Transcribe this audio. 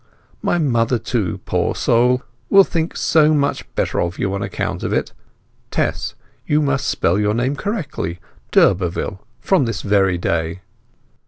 My mother too, poor soul, will think so much better of you on account of it. Tess, you must spell your name correctly—d'Urberville—from this very day."